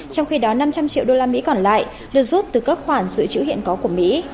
trong khi đó năm trăm linh triệu đô la mỹ còn lại được rút từ các khoản dự trữ hiện có của mỹ